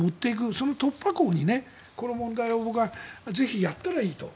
その突破口にこの問題をぜひやったらいいと。